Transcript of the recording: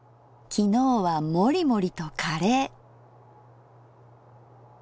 昨日はもりもりとカレー。